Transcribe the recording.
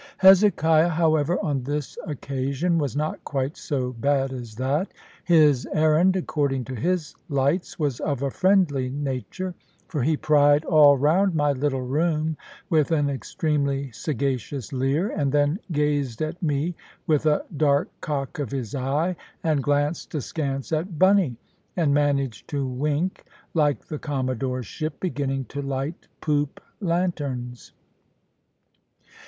Hezekiah, however, on this occasion, was not quite so bad as that. His errand, according to his lights, was of a friendly nature; for he pried all round my little room with an extremely sagacious leer, and then gazed at me with a dark cock of his eye, and glanced askance at Bunny, and managed to wink, like the Commodore's ship beginning to light poop lanterns.